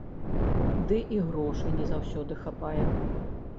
Ды і грошай не заўсёды хапае.